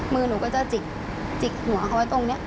มือหนูก็จะจิกหัวเอาไว้ตรงนี้